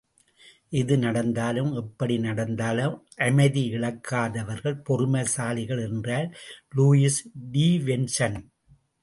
எது நடந்தாலும் எப்படி நடந்தாலும் அமைதி இழக்காதவர்கள் பொறுமைசாலிகள் என்றார் லூயிஸ் டீவென்சன்!